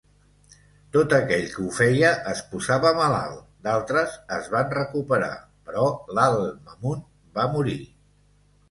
Tot aquell que ho feia es posava malalt. D'altres es van recuperar, però l'Al-Ma'mun va morir.